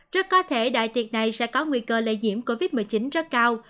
rất có thể đại tiệc này sẽ có nguy cơ lây nhiễm covid một mươi chín rất cao